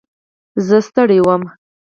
زه ستړی وم.